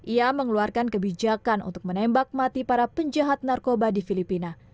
ia mengeluarkan kebijakan untuk menembak mati para penjahat narkoba di filipina